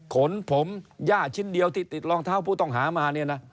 ขนผมย่าชิ้นเดียวที่ติดรองเท้าผู้ต้องหามาเนี่ยนะ